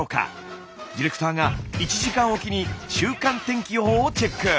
ディレクターが１時間おきに週間天気予報をチェック。